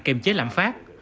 kiềm chế lãm pháp